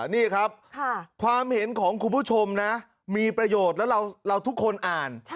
นี่ครับความเห็นของคุณผู้ชมนะมีประโยชน์แล้วเราทุกคนอ่าน